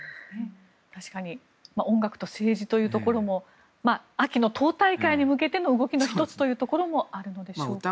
確かに音楽と政治というところも秋の党大会に向けての動きの１つというところもあるんでしょうか。